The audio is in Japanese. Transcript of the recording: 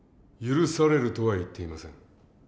許されるとは言っていません。